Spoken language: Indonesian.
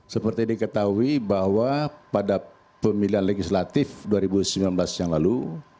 seperti diketahui bahwa pada pemilihan legislatif dua ribu sembilan belas yang lalu